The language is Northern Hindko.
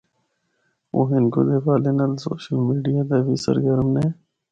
او ہندکو دے حوالے نال سوشل میڈیا تے وی سرگرم نے۔